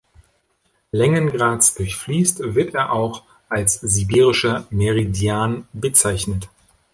Längengrads durchfließt, wird er auch als sibirischer Meridian bezeichnet.